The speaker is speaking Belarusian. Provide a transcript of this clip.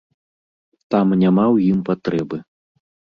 Там няма ў ім патрэбы.